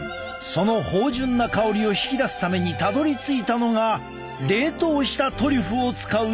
その芳じゅんな香りを引き出すためにたどりついたのが冷凍したトリュフを使う調理法。